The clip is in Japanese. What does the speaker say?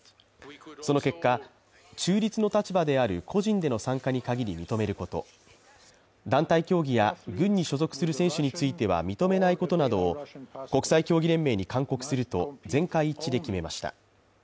その結果、中立の立場である個人での参加に限り認めること団体競技や軍に所属する選手については認めないことなどを国際競技連盟に勧告すると、全会一致で決めました。